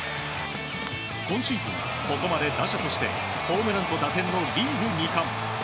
今シーズン、ここまで打者としてホームランと打点のリーグ２冠。